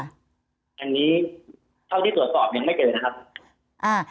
อันนี้เท่าที่ตรวจตอบยังไม่เจอนะครับ